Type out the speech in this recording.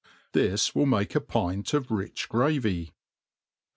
This will make a pint of rich gravy.